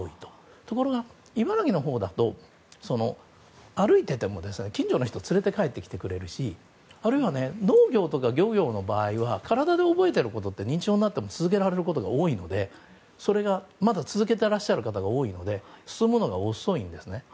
ところが、茨城のほうは歩いていても近所の人が連れて帰ってくれるしあるいは、農業とか漁業の場合は体で覚えていることって認知症になっても続けられることが多くてそれを、まだ続けていらっしゃる方が多いので進むのが遅いんですね。